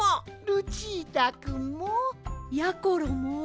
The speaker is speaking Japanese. ルチータくんも！やころも